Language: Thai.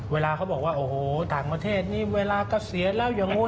เวลาเค้าบอกว่าอ่ะโหต่างประเทศเวลาก็เสียแล้วอย่างนู้น